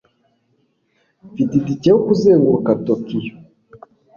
Mfite itike yo kuzenguruka Tokiyo.